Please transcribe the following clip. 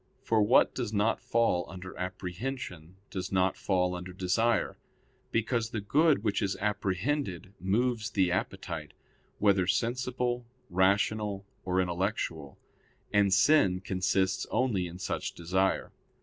For what does not fall under apprehension, does not fall under desire; because the good which is apprehended moves the appetite, whether sensible, rational, or intellectual; and sin consists only in such desire.